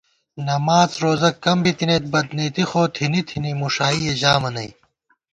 نماڅ روزہ کم بِتَنَئیت، بدنېتی خو تھنی تھنی مُݭائیَہ ژامہ نئ